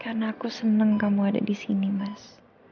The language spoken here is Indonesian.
karena aku seneng kamu ada disini mas